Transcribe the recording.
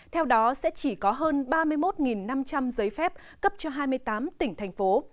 theo đó sẽ chỉ có hơn ba mươi một năm trăm linh giấy phép cấp cho hai mươi tám tỉnh thành phố